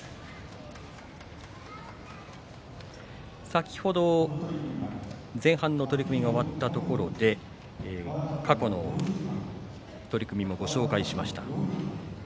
先ほど前半の取組が終わったところで過去の取組もご紹介しました。